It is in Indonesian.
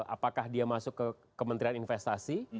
apakah dia masuk ke kementerian investasi